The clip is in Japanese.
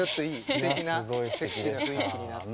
すてきなセクシーな雰囲気になって。